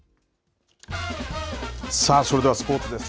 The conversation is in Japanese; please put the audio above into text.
それではスポーツです。